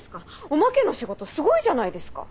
おまけの仕事すごいじゃないですか。